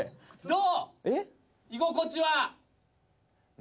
どう？